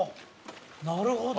なるほど。